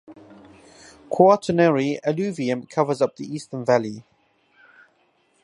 Quaternary alluvium covers up the eastern valley.